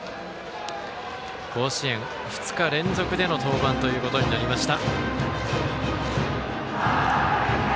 甲子園、２日連続での登板ということになりました。